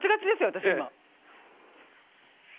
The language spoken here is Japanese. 私今。